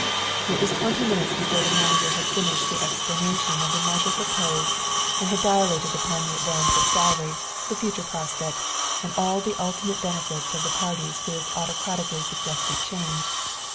It was twenty minutes before the manager had finished the explanation of the measure proposed and had dilated upon the advance of salary, the future prospects, and all the ultimate benefits of the parties to this autocratically suggested change.